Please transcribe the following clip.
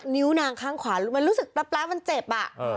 นิ้วนางข้างขวามันรู้สึกแป๊บมันเจ็บอ่ะ